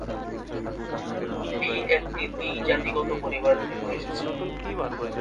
D একটি দ্বী-জাতিগত পরিবার থেকে এসেছে।